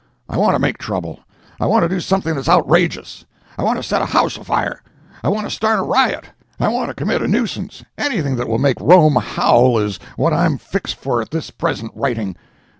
I want to make trouble. I want to do something that's outrageous. I want to set a house a fire—I want to start a riot—I want to commit a nuisance, anything that will make Rome howl is what I'm fixed for at this present writing.